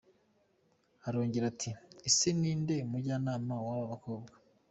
Arongera ati, “Ese ninde mujyanama w’aba bakobwa?”.